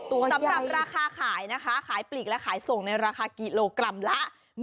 สำหรับราคาขายนะคะขายปลีกและขายส่งในราคากิโลกรัมละ